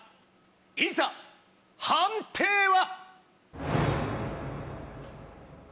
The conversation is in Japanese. いざ判定は？